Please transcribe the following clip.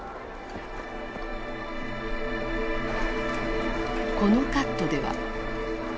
このカットでは。